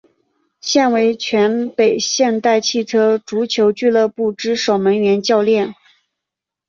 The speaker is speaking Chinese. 现为全北现代汽车足球俱乐部之守门员教练。